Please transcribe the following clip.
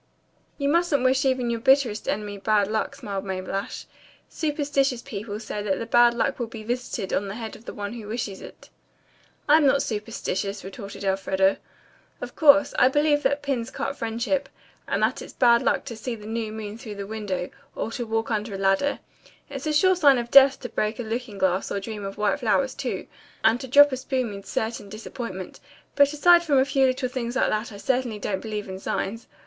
"You mustn't wish even your bitterest enemy bad luck," smiled Mabel Ashe. "Superstitious people say that the bad luck will be visited on the head of the one who wishes it." "I'm not superstitious," retorted Elfreda. "Of course, I believe that pins cut friendship, and that it's bad luck to see the new moon through the window, or to walk under a ladder. It's a sure sign of death to break a looking glass or dream of white flowers, too, and to drop a spoon means certain disappointment, but aside from a few little things like that, I certainly don't believe in signs."